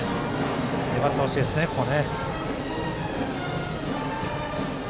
粘ってほしいですね、ここ。